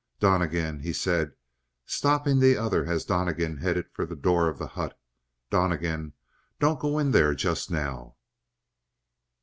"Donnegan," he said, stopping the other as Donnegan headed for the door of the hut, "Donnegan, don't go in there just now."